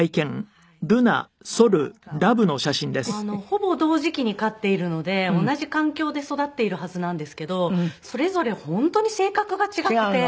ほぼ同時期に飼っているので同じ環境で育っているはずなんですけどそれぞれ本当に性格が違くて。